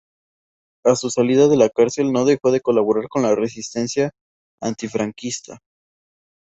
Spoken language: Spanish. A su salida de la cárcel no dejó de colaborar con la resistencia antifranquista.